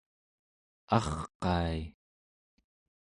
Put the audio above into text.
arqai